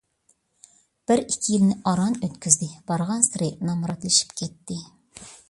بىر - ئىككى يىلنى ئاران ئۆتكۈزدى، بارغانسېرى نامراتلىشىپ كەتتى.